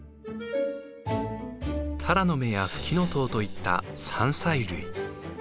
タラの芽やフキノトウといった山菜類。